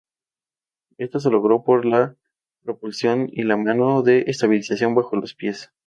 Esto se logró por la propulsión y la mano de estabilización bajo los pies.